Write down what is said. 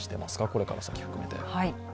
これから先含めて。